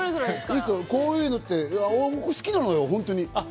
こういうのって好きなのよ、本当に。